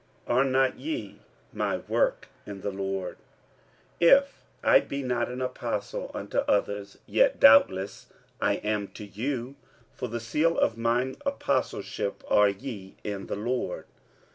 are not ye my work in the Lord? 46:009:002 If I be not an apostle unto others, yet doubtless I am to you: for the seal of mine apostleship are ye in the Lord.